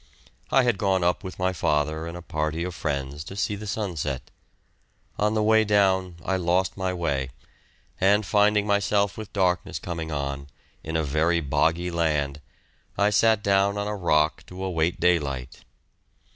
I had gone up with my father and a party of friends to see the sunset; on the way down I lost my way, and finding myself with darkness coming on, in very boggy land, I sat down on a rock to await daylight.